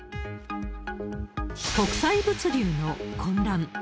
国際物流の混乱。